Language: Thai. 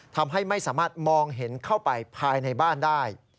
ทำให้ไม่สามารถมองเห็นเข้าไปภายในบ้านได้